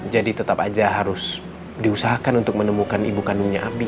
jadi tetap aja harus diusahakan untuk menemukan ibu kandungnya nabi